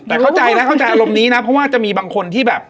แต่เข้าใจนะเข้าใจอารมณ์นี้นะเพราะว่าจะมีบางคนที่แบบ